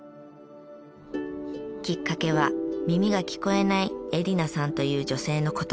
きっかけは耳が聞こえないエディナさんという女性の言葉。